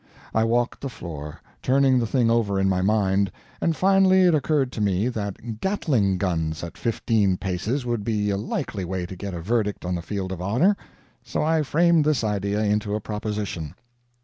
I walked the floor, turning the thing over in my mind, and finally it occurred to me that Gatling guns at fifteen paces would be a likely way to get a verdict on the field of honor. So I framed this idea into a proposition.